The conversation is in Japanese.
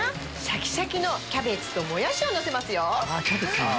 シャキシャキのキャベツとモヤシをのせますよ。